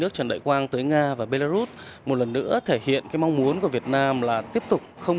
nước trần đại quang tới nga và belarus một lần nữa thể hiện cái mong muốn của việt nam là tiếp tục không